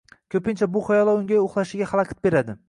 Ko‘pincha bu xayollar unga uxlashiga xalaqit beradi